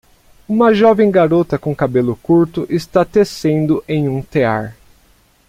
Uma jovem garota com cabelo curto está tecendo em um tear.